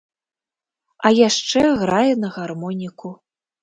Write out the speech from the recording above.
А яшчэ грае на гармоніку.